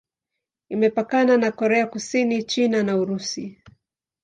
Imepakana na Korea Kusini, China na Urusi.